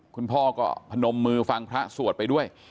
คุณพ่อก็พนมมือฟังพระสวดไปด้วย